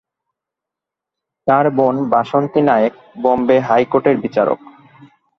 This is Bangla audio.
তার বোন বাসন্তী নায়েক বোম্বে হাইকোর্টের বিচারক।